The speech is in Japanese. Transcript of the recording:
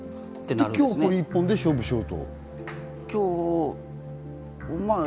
で、今日はこれ１本で勝負しようと？